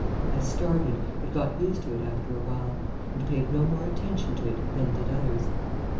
I started, but got used to it after a while, and paid no more attention to it than did others.